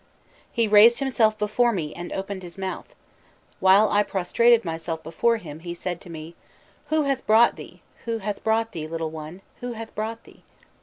He raised himself before me and opened his mouth; while I prostrated myself before him, he said to me: 'Who hath brought thee, who hath brought thee, little one, who hath brought thee?